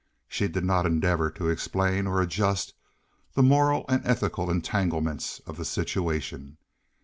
She did not endeavor to explain or adjust the moral and ethical entanglements of the situation.